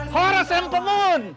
horas emang pengun